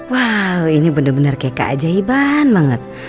wow ini benar benar kaya kajaiban banget